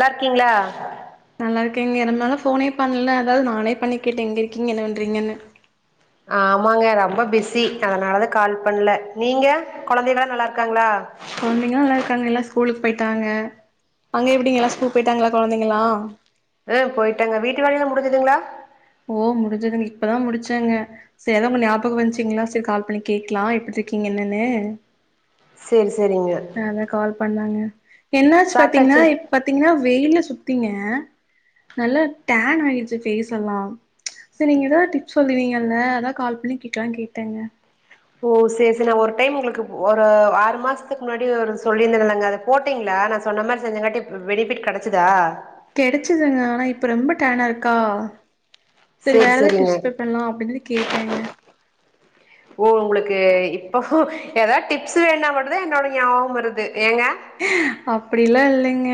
நல்லா இருக்கீங்களா நல்லா இருக்கேங்க ரொம்ப நாளா போனே பண்ல அதாவது நானே பண்ணி கேட்டன் எங்க இருக்கீங்க என்ன பண்றீங்கன்னு ஆமாங்க ரொம்ப பிஸி அதனாலத கால் பண்ல நீங்க குழந்தைகளாம் நல்லா இருக்காங்களா கொழந்தைங்களாம் எல்லாம் இருக்காங்க எல்லாம் ஸ்கூலுக்கு போயிட்டாங்க அங்க எப்டிங்களல்லாம் ஸ்கூல் போயிட்டாங்களா கொழந்தைங்களாம் ஆ போயிட்டாங்க வீட்டு வேலல்லாம் முடிஞ்சுதுங்களா ஓ முடிஞ்சதுங்க இப்பதான் முடிச்சேங்க சேர் அதா உங்க ஞாபகம் வந்துச்சீங்களா சரி கால் பண்ணி கேடக்கலாம் எப்டி இருக்கீங்க என்னன்னு சேர் சேரிங்க அதான் கால் பண்ணாங்க என்னாச்சு பாத்தீங்கன்னா சாப்ட்டாச்சு பாத்தீங்கன்னா வெயில சுத்திங்க நல்லா டான் ஆகிடுச்சு ஃபேஸ் எல்லாம் சேரி நீங்க ஏதாவது டிப்ஸ் சொல்லுவீங்கல்ல அதான் கால் பண்ணி கேட்டுலாம்னு கேட்டேங்க ஓ சேரி சேரி நான் ஒரு டைம் உங்களுக்கு ஒரு ஆறு மாசத்துக்கு முன்னாடி ஒரு சொல்லியிருந்தேன் நாங்க அத போட்டீங்களா நான் சொன்ன மாரி செஞ்சங்காட்டி பெனிஃபிட் கிடச்சிதா கிடச்சுதுங்க ஆனா இப்போ ரொம்ப டேனா இருக்கா சரி சேரி வேற ஏதாவது சேரிங்க டிப்ஸ் ஸ்ப்ரெட் பண்ணலாம் அப்டின்னு கேட்டேங்க ஓ உங்களுக்கு இப்போ ஏதாவது டிப்ஸ் வேணா மட்டுதான் என்னோட ஞாபகம் வருது ஏங்க அப்டிலாம் இல்லைங்க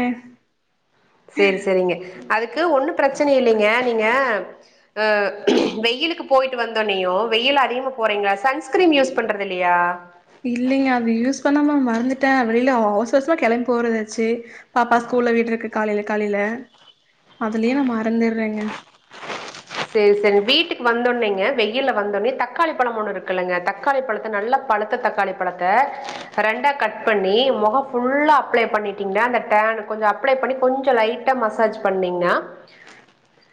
சேர் சேரிங்க அதுக்கு ஒண்ணும் பிரச்சனை இல்லைங்க நீங்க ஆ வெயிலுக்கு போய்ட்டு வந்தோனேயும் வெயில் அதிகமாக போகிறீங்களா சன்ஸ்கிரீம் யூஸ் பண்றது இல்லையா இல்லைங்க அது யூஸ் பண்ணாம மறந்துட்டேன் வெளில அவசுவாசமா கிளம் போறதாச்சு பாப்பா ஸ்கூல்ல விட்ருக்கு காலைல காலைல அதுலயே நா மறந்துட்றேங்க சேரி சேரி வீட்டுக்கு வந்தவுட்னேங்க வெயில்ல வந்தோட்னே தக்காளி பழம் ஒண்ணு இருக்குல்லங்க தக் க்காளி பழத்த நல்லா பழுத்த தக்காளி பழத்த ரெண்டா கட் பண்ணி முகம் ஃபுல்லா அப்ளை பண்ணி விட்டிங்கன்னா அந்த டேர்ன்னு கொஞ்சம் அப்ளை பண்ணி கொஞ்சம் லைட்டா மசாஜ் பண்ணீங்கன்னா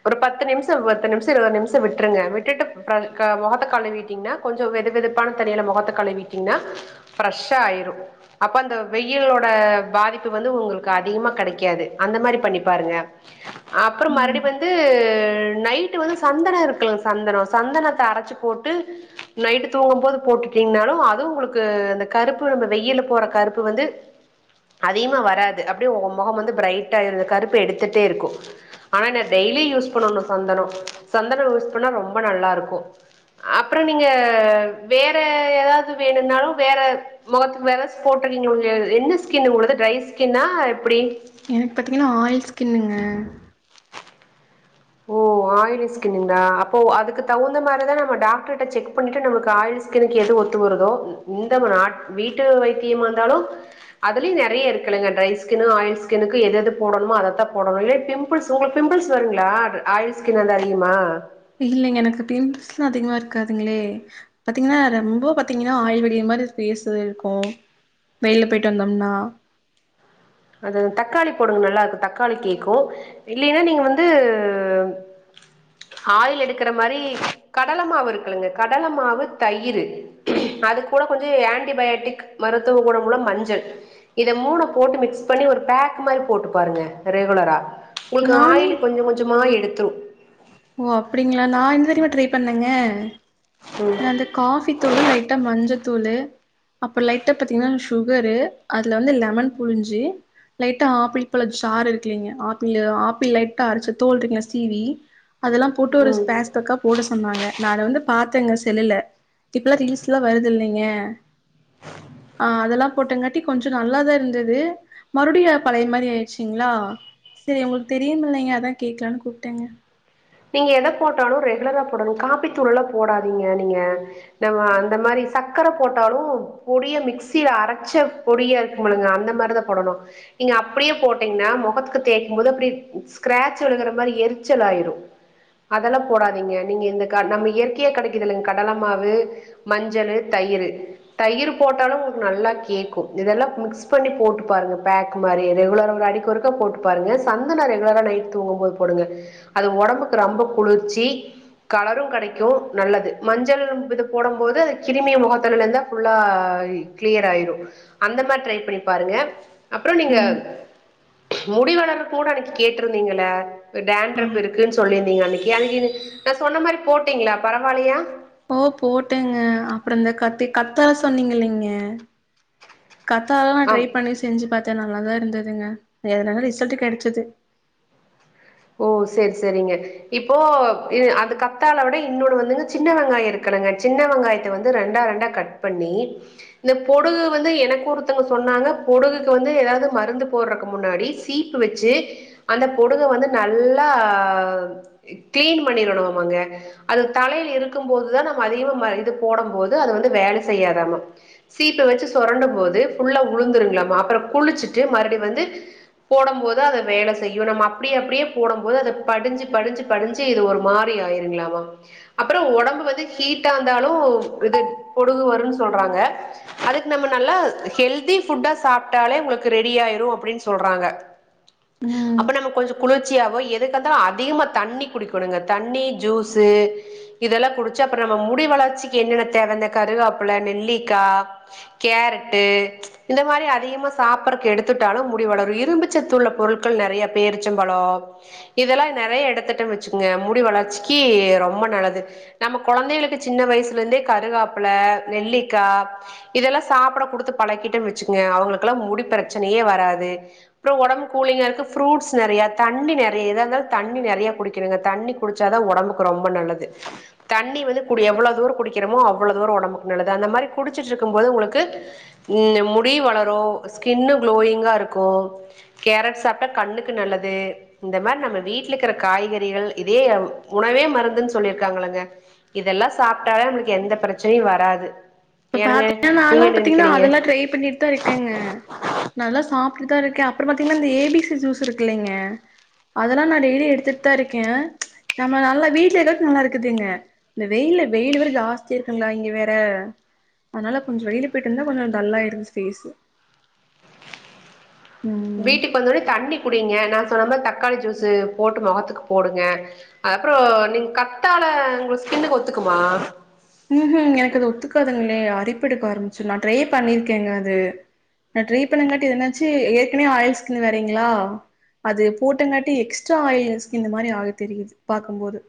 ஒரு பத்து நிமிஷ் ட்டு பத்து நிமிஷம் இரவது நிமிஷம் விட்டுருங்க விட்டுட்டு ப்ர அ முகத்த கழிவீட்டீங்கன்னா கொஞ்சோ வெது வெதுப்பான தண்ணில முகத்த கழுவிட்டீங்ன்னா ப்ரெஷ்ஷா ஆயிரும் அப்ப அந்த வெயிலோட பாதிப்பு வந்து உங்களுக்கு அதிகமா கிடைக்காது அந்த மாறி பண்ணி பாருங்க அப்புறம் மறுபடி ம் வந்து நைட்டு வந்து சந்தனம் இருக்குல்ல சந்தனம் சந்தனத்த அரச்சி போட்டு நைட்டு தூங்கும் போது போட்டுட்டீங்கன்னாலும் அதுவும் உங்களுக்கு அந்த கருப்பு நம்ம வெயில்ல போற கருப்பு வந்து அதிகமா வராது அப்டியே உங்க முகம் வந்து பிரைட்டா இரு கருப்ப எடுத்துட்டே இருக்கும் ஆனா நா டெய்லியும் யூஸ் பண்ணனும் சந்தனம் சந்தனம் யூஸ் பண்ணா ரொம்ப நல்லா இருக்கும் அப்பறம் நீங்க வேற ஏதாவது வேணும்னாலும் வேற முகத்துக்கு வெரஸ் போட்டிருக்கீங்க உ என்ன ஸ்கின் உங்களது ட்ரை ஸ்கின்ன் எப்டி எனக்கு பார்த்தீங்கன்னா ஆயில் ஸ்கின்னுங்க ஓ ஆயிலி ஸ்கின்னுங்களா அப்போ அதுக்கு தகுந்த மாரி தான் நம டாக்டர்ட்ட செக் பண்ணிட்டு நமக்கு ஆய்லி ஸ்கின்க்கு எது ஒத்து வருதோ இந்த வீட்டு வைத்தியமா இருந்தாலும் அதுலயும் நறைய இருக்குல்லங்க ட்ரை ஸ்கின்னு ஆயில் ஸ்கின்னுக்கு எது எது போடணுமோ அதைத்தான் போடணும் இல்ல பிம் பிம்பிள்ஸ் உங்களுக்கு பிம்பிள்ஸ் வருங்களா ஆயில் ஸ்கின்னா இருந்தா அதிகமா இல்லங்க எனக்கு பிம்பில்ஸ் எல்லா அதிகமா இருக்காதுங்ளே பாத்தீங்கன்னா ரொம்ப பாத்தீங்கன்னா ஆயில் வடியிர மாறி பேஸ் இருக்கு வெயில்ல போயிட்டு வந்தோம்னா அது தக்காளி போடுங்க நல்லா இருக்கு தக்காளி கேட்கு இல்லின்னா நீங்க வந்து ஆயில் எடுக்கிற மாறி கடல மாவு இருக்குல்லங்க கடல மாவு தயிரு அது கூட கொஞ்சோ ஆன்டிபயாட்டிக் மருத்துவகுண உள்ள மஞ்சள் இத மூண போட்டு மிக்ஸ் பண்ணி ஒரு பேக் மாறி போட்டு பாருங்க ரெகுலரா உங்களுக்கு நானே ஆயில் கொஞ்சோ கொஞ்சோமா எடுத்துரு ஓ அப்படிங்களா நா என்ன தெரியுமா ட்ரை பண்ணேங்க நா இந்த காபி தூளு லைட்டா மஞ்சத்தூளு அப்ப லைட்டா பாத்தீங்கன்னா சுகரு அதுல வந்து லெமன் புழிஞ்சி லைட்டா ஆப்பிள் பழ சாரு இருக்கில்லைங்க ஆப்பிளு ஆப்பிள் லைட்டாக அரைச்சு தோல் இருக்குல்ல சீவி அதெல்லா போட்டு ஒரு ம் பேஸ்தக்கா போட சொன்னாங்க நானுவந்து பாத்தேங்க செல்லுல இப்பல்லா ரீல்ஸ் எல்லா வருது இல்லைங்க ஆ அதெல்லா போட்டங்காட்டி கொஞ்சோ நல்லாதா இருந்தது மறுபடியும் பழைய மாறி ஆயிடுச்சிங்களா சேரி உங்களுக்கு தெரியுல்லங்க அதா கேக்கலான்னு கூப்ட்டேங்க நீங்க எத போட்டாலு ரெகுலரா போடணு காப்பி தூளெல்லா போடாதீங்க நீங்க ன்னமோ அந்த மாறி சக் கரை போட்டாலு பொறிய மிக்சில அரைச்ச பொறியா இருக்குல்லங்க அந்த மாறிதா போடணு நீங்க அப்படியே போட்டிங்கன்னா முகத்துக்கு தேய்கும் போது அப்டியே ஸ்க்ராட்ச் விழுகிற மாறி எரிச்சலா ஆயிடு அதெல்லா போடாதீங்க நீங்க இந்த நம்ம இயற்கையா கிடைக்குதில்லைங்க கடலை மாவு மஞ்சளு தயிரு தயிரு போட்டாலு உங்களுக்கு நல்லா கேட்கு இதெல்லா மிக்ஸ் பண்ணி போட்டு பாருங்க பேக் மாறி ரெகுலரா ஒரு அடிக்கு ஒரு க்கா போட்டு பாருங்க சந்தனோ ரெகுலரா நைட் தூங்கு போது போடுங்க அது உடம்புக்கு ரொம்ப குளிர்ச்சி கலரு கிடைக்கு நல்லது மஞ்சள் இது போடும் போது அது கிருமி முகத்துல இருந்தா ஃபுல்லா கிளியரா ஆயிடு அந்த மாறி ட்ரை பண்ணி பாருங்க அப்புறோ நீங்க ம் முடி வளர கூட அன்னைக்கு கேட்டிருந்தீங்கள்ள ஆ டேண்ட்ரப் இருக்குன்னு சொல்லிருந்தீங்க அன்னைக்கு நா சொன்ன மாரி போட்டீங்களா பரவாலயா ஓ போட்டேங்க அப்றோ இந்த கத்தி கத்தால சொன்னீங்கல்லைங்க கத்தாலா நா ஆ ட்ரை பண்ணி செஞ்சு பாத்த நல்லாதா இருந்ததுங்க எதுனால ரிசல்டு கெடச்சுது ஓ சேரி சேரிங்க இப்போ இ அது கத்தால விட இன்னொன்னு வந்துங்க சின்ன வெங்காயோ இருக்கிலங்க சின்ன வெங்காயத்த வந்து ரெண்டா ரெண்டா கட் பண்ணி இந்த பொடுகு வந்து எனக்கு ஒருத்தொங்க சொன்னாங்க பொடுகுக்கு வந்து எதாது மருந்து போடறக்கு முன்னாடி தீப்பு வெச்சு அந்த பொடுக வந்து நல்லா கிளீன் பண்ணிரணும்மா மாங்க அது தலையில இருக்கு போதுதா நம்ம அதிகமா இது போடு போது அது வந்து வேல செய்யாதாமா சீப்ப வெச்சு சொரண்டு போது ஃபுல்லா உளுந்துருங்களாமா அப்றோ குளிச்சிட்டு மறுபடி வந்து போடு போது அது வேல செய்யு நம்ம அப்டி அப்டியே போடு போது அது படிஞ்சு படிஞ்சு படிஞ்சு இது ஒரு மாரி ஆயிருங்களாமா அப்றோ ஒடம்பு வந்து ஹீட்டா இருந்தாலு இது பொடுகு வருன்னு சொல்றாங்க அதுக்கு நம்ம நல்லா ஹெல்தி ஃபுட்டா சாப்டாலே உங்களுக்கு ரெடி ஆயிரு அப்டின்னு சொல்றாங்க ம் அப்ப நம்ம கொஞ்சோ குளுர் ச்சியாவோ எதுக்கெடுத்தாலு அதிகமா தண்ணி குடிக்கணுங்க தண்ணி ஜூஸ்சு இதெல்லா குடிச்சா அப்பறோ நம்ம முடி வளர்ச்சிக்கு என்னென்ன தேவ இந்த கருகாப்புல நெல்லிக்கா கேரட்டு இந்த மாறி அதிகமா சாப்ட்றக்கு எடுத்துட்டாலு முடி வளரு இரும்புச்சத்து உள்ள பொருட்கள் நெறைய பேரிச்சபழோ இதெல்லா நெறைய எடத்திட்ட வச்சுக்குங்க முடி வளர்ச்சிக்கு ரொம்ப நல்லது நம்ம கொழந்தைங்களுக்கு சின்ன வயசுல இருந்தே கருகாப்பிள நெல்லிக்கா இதெல்லா சாப்பிட குடுத்து பழக்கிட்டனு வெச்சுங்க அவுங்கலுக்கெல்லா முடி ப்ரச்சனையே வராது அப்றோ ஒடம்பு கூலிங்கா இருக்க ஃப்ரூட்ஸ் நெறய தண்ணி நெறய எத இருந்தாலு தண்ணி நெறைய குடிக்கணுங்க தண்ணி குடுச்சாதா ஒடம்புக்கு ரொம்ப நல்லது தண்ணி வந்து குடி எவ்ளோ தூரோ குடிக்கிறமோ அவ்ளோ தூரோ ஒடம்புக்கு நல்லது அந்த மாரி குடிச்சிட்டு இருக்கு போது உங்களுக்கு ம் முடி வளரு ஸ்கின்னு க்ளோயிங்கா இருக்கு கேரட் சாப்ட்டா கண்ணுக்கு நல்லது இந்த மாரி நம்ம வீட்ல இக்கற காய்கறிகள் இதே உணவே மருந்துன்னு சொல்லியிருக்காங்களங்க இதெல்லா சாப்ட்டாலே நம்மளுக்கு எந்த ப்ரச்சனையு வராது இப்ப ஏனுங்க பாத்தீங்கன்ன நீங்க நாலா என்ன பாத்தீங்கன்னா நெனைக்கிறீங்க அதெல்லா ட்ரை பண்ணிட்டு தா இருக்கங்க நல்லா சாப்பிட்டுதா இருக்க அப்றோ பாத்தீங்கன்னா இந்த ஏ பி சி ஜூஸ்ஸு இருக்குல்லைங்க அதெல்லா நா டெய்லி எடுத்துட்டு தா இருக்கே நம்ம நல்லா வீட்ல ஏதாவ்து நல்லா இருக்குதுங்க இந்த வெய்யில வெய்யிலு வேற ஜாஸ்தியா இருக்குங்களா இங்க வேற அதனால கொஞ்சோ வெளில போய்ட்டு வந்த கொஞ்சோ டல்லாயிருது ஃபேஸு ம் வீட்டுக்கு வந்தோனே தண்ணி குடிங்க நா சொன்ன மாரி தக்காளி ஜூஸு போட்டு மொகத்துக்கு போடுங்க அ அப்றோ நீங்க கத்தால உங்க ஸ்க்கின்னுக்கு ஒத்துக்குமா ம் ம் எனக்கு அது ஒத்துக்காதுங்களே அரிப்பெடுக்க ஆரம்பிச்சுரு நா ட்ரே பண்ணிருக்கேங்க அது நா ட்ரே பண்ணங்காட்டி அது என்னாச்சு ஏற்கனவே ஆயில் ஸ்கின்னு வேரைங்களா அது போட்டங்காட்டி எக்ஸ்ட்ரா ஆயில் ஸ்கின்னு மாரி ஆக தெரியுது பாக்கு போது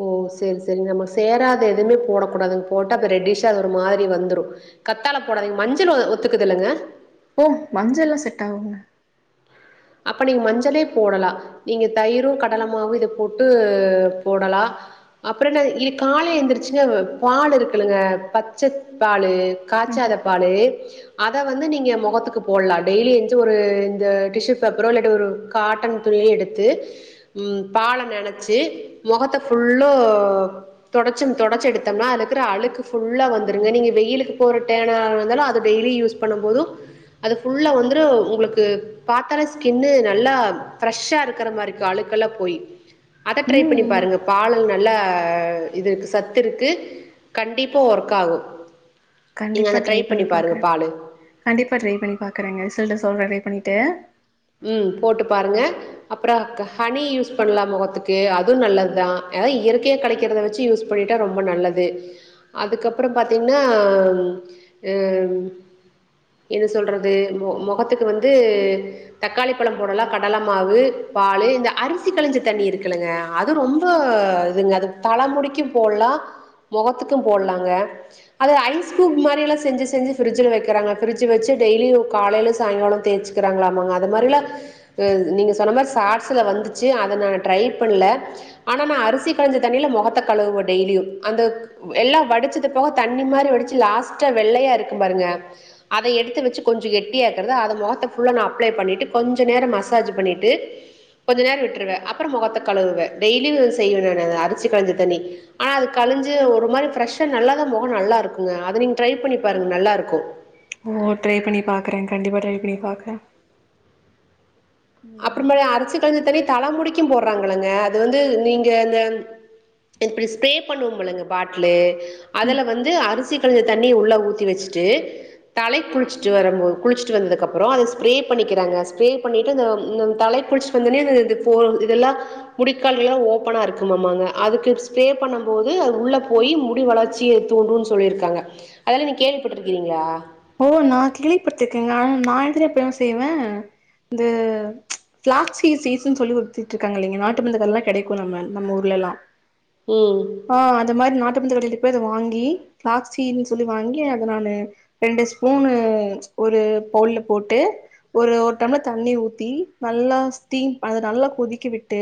ஓ சேரி சேரி நமக்கு சேராது எதுமே போடக்கூடாதுங்க போட்ட அப்ப ரெட்டிஷ்ஷா அது ஒரு மாரி வந்துரு கத்தால போடாதீங்க மஞ்சள் ஒ ஒத்துக்குதுல்லங்க ஓ மஞ்செல்லா செட் ஆகுங்க அப்ப நீங்க மஞ்சளே போடலா நீங்க தயிரு கடலமாவு இத போட்டு போடலா அப்றோன்ன இ காலைல எந்திரிச்சுங்க பால் இருக்குலங்க பச்ச பாலு காச்சாத பாலு அத வந்து நீங்க மொகத்துக்கு போடலா டெய்லி எந்ச்சு ஒரு இந்த டிஸ்சு பேப்பரோ இல்லாட்டு ஒரு காட்டன் துனியோ எடுத்து ம் பால நெனச்சி மொகத்த ஃபுல்லு தொடச்சு தொடுச்சு எடுத்தம்னா அதுல இருக்கற அழுக்கு ஃபுல்லா வந்தருங்க நீங்க வெயிலுக்கு போறட்டோனந்தாலு அத டெய்லி யூஸ் பண்ணுபோது அது ஃபுல்லா வந்துரு உங்களுக்கு த்தலே ஸ்கின்னு நல்லா ஃப்ரெஷா இருக்கிற மாதிரிக்கு அழுக்கெல்லா போய் அத ட்ரை பண்ணி ம் பாருங்க பாலல் நல்லா இது இருக்கு சத்து இருக்கு கண்டிப்பா ஒர்க் ஆகு நீங்க அத ட்ரை பண்ணி பாருங்க பாலு கண்டிப்பாக பண்ணி பாக்கறேங்க ரிசல்ட்ட சொல்றே ட்ரை பண்ணிட்டு ம் போட்டு பாருங்க அப்றோ க ஹனி யூஸ் பண்ணலா முகத்துக்கு அது நல்லதுதா அதாது இயற்கைய கெடைக்கிறத வச்சு யூஸ் பண்ணிட்டா ரொம்ப நல்லது அதுக்கப்பறோ பாத்தீங்கன்னா என்ன சொல்றது மமோ மோகத்துக்கு வந்து தக்காளிப்பழ போடலா கடல மாவு பாலு இந்த அரிசி கழஞ்ச தண்ணி இருக்குளங்க அது ரொம்ப இதுங்க அது தலைமுடிக்கு போட்லா முகத்துக்கு போட்லாங்க அது ஐஸ் கூப் மாதிரிலல்லா செஞ்சி செஞ்சி ஃப்ரிஜில் வைக்கிறா ஃப்ரிட்ஜ வச்ச டெய்லி காலையில சாயங்கால தேய்சு இருக்கறாகளாமாங்க அது மாரிலா நீங்க சொன்ன மாரி ஷார்ட்ஸ்ல வந்துச்சு அத நா ட்ரை பண்ணல ஆனா நா அரிசி கலைஞ்ச தண்ணியில மொகத்தை கழுவுவோ டெய்லியு அந்த எல்லா வடுச்சது போக தண்ணி மாரி வடுச்சு லாஸ்ட்டா வெள்ளையா இருக்கும் பாருங்க அத எடுத்து வெச்சு கொஞ்சோ கெட்டியாக்குறது அத மொகத்து புல்ல நா அப்ளை பண்ணிட்டு கொஞ்சோ நேரோ மசாஜ் பண்ணிட்டு கொஞ்சோ நேரோ விட்ருவ அப்றோ மொகத்த கழுவுவ டெய்லியு செய்வ நானு அது அரிசி கழஞ்ச தண்ணி ஆனா அது கழுஞ்சு ஒரு மாரி ஃப்ரெஷ்ஷா நல்லாதா மொகோ நல்லா இருக்குங்க அது நீங்க ட்ரை பண்ணி பாருங்க நல்லாருக்கு ஓ ட்ரை பண்ணி பாக்கற கண்டிப்பா ட்ரை பண்ணி பாக்கற அப்பறமா அரிச்சு கழிஞ்ச தணி தல முடிக்கு போடுறாங்களங்க அது வந்து நீங்க அந்த இப்டி ஸ்ப்ரே பண்ணுவோ முழுங்க பாட்லு அதுல வந்து அரிசி கழஞ்ச த தண்ணி உள்ள ஊத்தி வச்சுட்டு தலை குளிச்சிட்டு வரபோ குளிச்சுட்டு வந்ததுக்கப்பறோ அத ஸ்ப்ரே பண்ணிக்கிறாங்க ஸ்ப்ரே பண்ணிட்டு அந்த ம் தலை குளிச்சு வந்தொனே அ போ இதெல்லா முடிக்கால்கலா ஓப்பனா இருக்குமாங்கங்க அதுக்கு ஸ்ப்ரே பண்ணும் போது அது உள்ள போய் முடி வளர்ச்சி திய தூண்டுன்னனு சொல்லிருக்காங்க அதல்ல நீ கேள்விப்பட்ருக்கிறீங்களா ஓ நா கேள்வி பத்திருக்கேங்க ஆனா நா எதுல எப்பயு செய்வே இந்த பிள்சி சீஸ்சுன்னு சொல்லி கொடுத்திட்ருகாங்க இல்லைங்க நாட்டு மருந்து கடைலலா கெடைக்கு நம்ம நம்ம ஊர்லல்லா ம் ஆ அந்த மாரி நாட்டுமருந்து கடைல போய் அத வாங்கி பிளாக்ஸ் சீட் சொல்லி வாங்கி அத நானு ரெண்டு ஸ்பூனு ஒரு பவுல்ல போட்டு ஒரு ஒரு டம்ளர் தண்ணி ஊத்தி நல்லா ஸ்டீம் அத நல்லா கொதிக்க விட்டு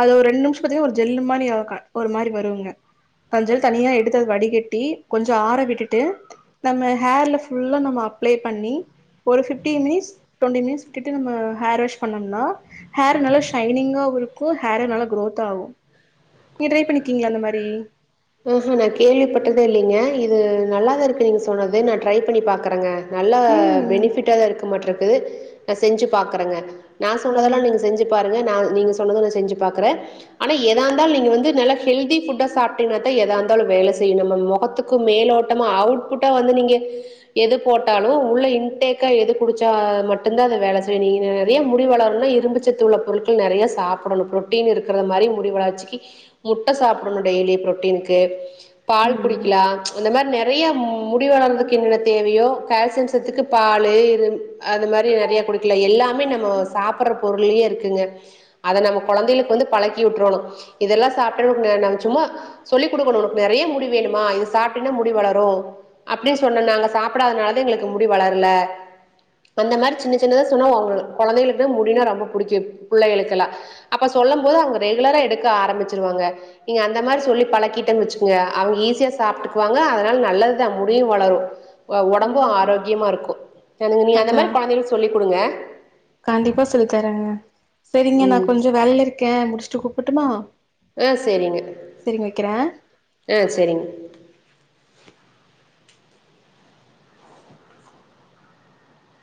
அது ஒரு ரெண்டு நிமிஷ பாத்தன்னா ஒரு ஜெல்லு மாரி ஒ க ஒரு மாரி வருங்க தஞ்சள் தனியா எடுத்து அது வடிகட்டி கொஞ்ச ஆற விட்டுட்டு நம்ம ஹேர்ல ஃபுல்லா நம்ம அப்ளை பண்ணி ஒரு பிப்டி மினிட்ஸ் டுவெண்டி மினிட்ஸ் விட்டு நம்ம ஹேர் வாஷ் பண்ணோம்னா ஹேர் நல்லா ஷைனிங்கா இருக்கு ஹேர் நல்லா க்ரோத்தாகு நீங்க ட்ரை பண்ணிக்கீங்களா அந்த மாரி ம்ஹும் நா கேள்விப்பட்டதே இல்லைங்க இது நல்லா தா இருக்கு நீங்க சொன்னது நா ட்ரை பண்ணி பாக்குறேங்க நல்ல ம் பெனிபிட்டா தா இருக்க மாட்ருக்கு நா செஞ்சு பாக்குறேங்க நா சொன்னதெல்லா ம் நீங்க செஞ்சு பாருங்க நா நீங்க சொன்னத செஞ்சு பாக்குறே ஆனா ஏதா இருந்தாலு நீங்க வந்து நல்ல ஹெல்தி சாப் ஏதா இருந்தாலு வேலை செய்யும் நம்ம மொகத்துக்கு மேலோட்டமா அவுட்புட்டா வந்து நீங்க எது போட்டாலு உள்ள இன்டேக்கா எது குடிச்சா மட்டுந்தா அது வேல செய்யு நீ நெறைய முடி வளரணுனா இரும்பு சத்து உள்ள பொருட்கள் நெறைய சாப்படணு புரோட்டீன் இருக்க மாதரி முடிவு வளச்சிக்கு முட்டை சாப்பிடணு டெய்லி புரோட்டீனுக்கு பால் ம் குடிக்கலா அந்த மாரி நெறைய முடிவு வளர்துக்கு என்னென்ன தேவையோ கால்சியம் சத்துக்கு பாலு இரு அது மாரி நெறையா குடுக்கல எல்லாமே நம்ம சாப்பிட்ற பொருள்ளயே இருக்குங்க அத நம்ம குழந்தைகளுக்கு வந்து பழக்கி விட்றணு இதெல்லா சாப்ட்ருங்க நம்ம சும்மா சொல்லி் குடுக்கணு உனக்கு நெறைய முடி வேணுமா இது சாப்ட்டனா முடி வளரு அப்டின்னு சொன்னே நாங்க சாப்பிடாதுனாலதா எங்களுக்கு முடி வளரல அந்த மாரி சின்ன சின்னதா சொன்னா அவங்களுக்கு குழந்தைங்களுக்குதா முடினா ரொம்ப புடிக்கு புள்ளைகளுக்கெல்லா அப்ப சொல்லும் போது அவங்க ரெகுலரா எடுக்க ஆரம்பிச்சிருவாங்க நீங்க அந்த மாரி சொல்லி பழக்கீட்டன்னு வச்சுக்கங்க அவங்க ஈஸியா சாப்ட்டுக்குவாங்க அதனால நல்லதுதா முடியு வளரு அ ஒடம்பும் ம் ஆரோக்கியமா இருக்கு எனங்க நீ அந்த மாரி அதா கொழந்தைகளுக்கு சொல்லிக் குடுங்க கண்டிப்பா சொல்லி தரேங்க சரிங்க நா ம் கொஞ்ச வேலையில இருக்கே முடிச்சுட்டு கூப்பட்டுமா ஆ சேரிங்க ஆ சேரிங்க